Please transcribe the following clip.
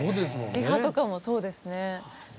リハとかもそうですね。